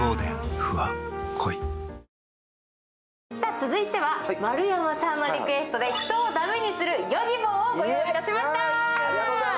続いては丸山さんのリクエストで人を駄目にするＹｏｇｉｂｏをご用意しました。